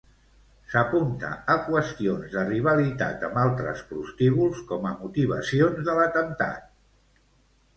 S'apunta a qüestions de rivalitat amb altres prostíbuls com a motivacions de l'atemptat.